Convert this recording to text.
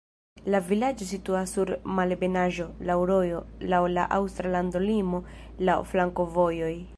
La vilaĝo situas sur malebenaĵo, laŭ rojo, laŭ la aŭstra landolimo, laŭ flankovojoj.